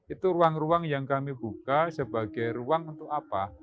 itu ruang ruang yang kami buka sebagai ruang untuk apa